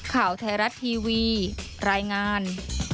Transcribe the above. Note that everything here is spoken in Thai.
ข่าวไทยรัฐทีวีรายงาน